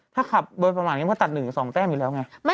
ถ้าขับประมาณนี้ก็ตัด่วิ่ง๑๒แต้มอยู่แล้วไง